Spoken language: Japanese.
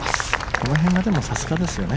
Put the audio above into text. この辺がさすがですよね。